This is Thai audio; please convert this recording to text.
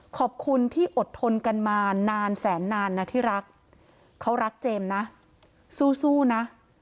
ขอบคุณที่อดทนกันมานานแสนนานนะที่รักเขารักเจมส์นะสู้นะ